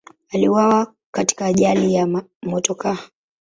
Aliuawa katika ajali ya motokaa.